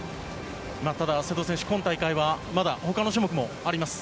ただ瀬戸選手、今大会はまだ他の種目もあります。